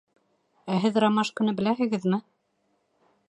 Ә һеҙ ромашканы беләһегеҙме?